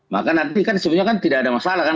maka nanti kan sebenarnya kan tidak ada masalah kan